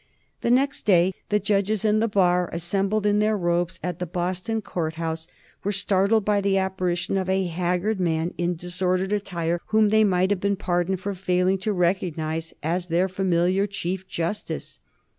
The next day the judges and the bar, assembled in their robes at the Boston Court House, were startled by the apparition of a haggard man in disordered attire, whom they might have been pardoned for failing to recognize as their familiar chief justice.